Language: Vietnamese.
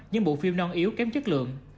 những bộ phim non yếu kém chất lượng